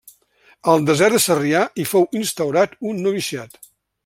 Al Desert de Sarrià hi fou instaurat un noviciat.